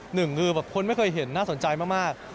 หนึ่งคือแบบคนไม่เคยเห็นน่าสนใจมาก